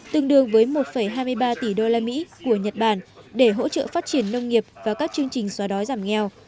tương đương với một hai mươi ba tỷ usd của nhật bản để hỗ trợ phát triển nông nghiệp và các chương trình xóa đói giảm nghèo